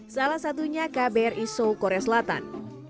salah satunya kbri seoul korea selatan